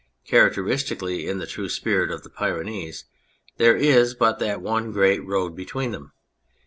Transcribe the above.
Characteristically, in the true spirit of the Pyrenees, there is but that one great road between them.